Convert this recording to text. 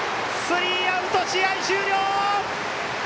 スリーアウト、試合終了！